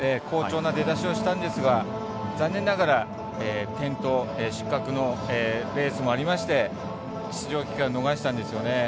好調な出だしをしたんですが残念ながら転倒失格のレースもありまして出場機会を逃したんですよね。